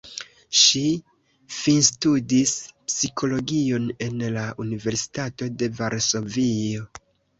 Ŝi finstudis psikologion en la Universitato de Varsovio.